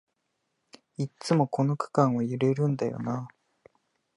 いっつもこの区間は揺れるんだよなあ